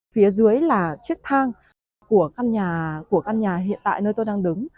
phía dưới là chiếc thang của căn nhà hiện tại nơi tôi đang đứng